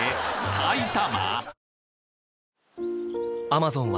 埼玉？